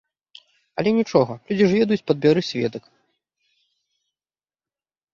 Але нічога, людзі ж ведаюць, падбяры сведак.